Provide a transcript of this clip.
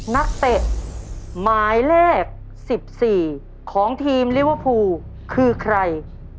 นักเตะหมายเลข๑๔ของทีมลิเวอร์พูลคือใคร